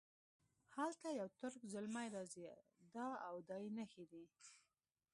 هلته یو ترک زلمی راځي دا او دا یې نښې دي.